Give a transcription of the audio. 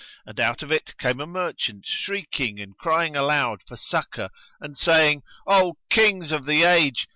And out of it came a merchant shrieking and crying aloud for succour and saying, "O Kings of the Age!